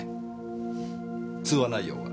通話内容は？